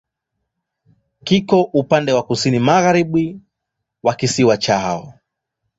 Kiko upande wa kusini-magharibi wa kisiwa cha Hao.